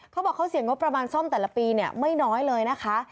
เขาบอกเขาเสียงงบประมาณซ่อมแต่ละปีไม่น้อยเลยนะคะ